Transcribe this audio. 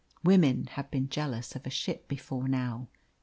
Women have been jealous of a ship before now.